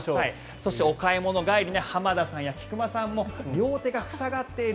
そして、お買い物帰り浜田さんや菊間さんも両手が塞がっている。